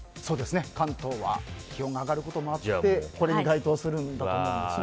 関東は気温が上がることもありこれに該当するんだと思うんですね。